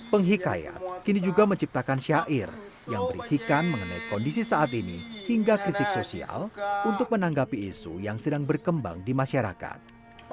penghikayat kini juga menciptakan syair yang berisikan mengenai kondisi saat ini hingga kritik sosial untuk menanggapi isu yang sedang berkembang di masyarakat